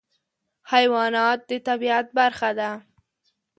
حیوانات د طبیعت برخه ده.